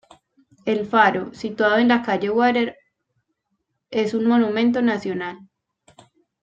El faro, situado en la calle Water, es un monumento nacional.